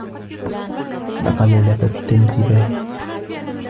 لقد لفتت انتباهي.